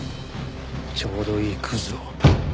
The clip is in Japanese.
ちょうどいいクズを。